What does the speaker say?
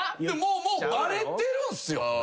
もうバレてるんすよ。